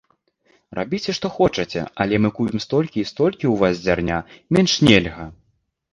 Рабіце, што хочаце, але мы купім столькі і столькі ў вас зерня, менш нельга.